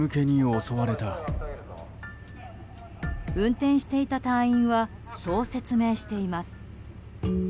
運転していた隊員はそう説明しています。